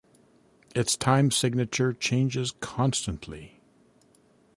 Its time signature changes constantly.